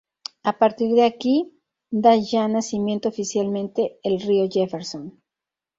A partir de aquí, da ya nacimiento oficialmente el río Jefferson.